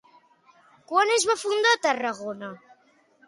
Quan es va fundar Tarragona?